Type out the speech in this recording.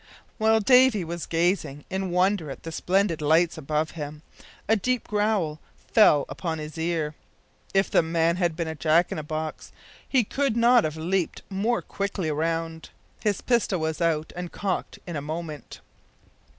While Davy was gazing in wonder at the splendid lights above him, a deep growl fell upon his ear. If the man had been a Jack in the box he could not have leaped more quickly round. His pistol was out and cocked in a moment!